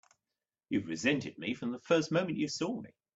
You've resented me from the first moment you saw me!